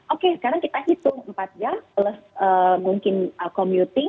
oke sekarang kita hitung empat jam plus mungkin commuting